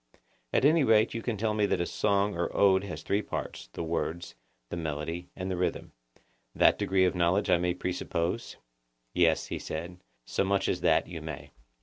At any rate you can tell that a song or ode has three parts—the words, the melody, and the rhythm; that degree of knowledge I may presuppose? Yes, he said; so much as that you may.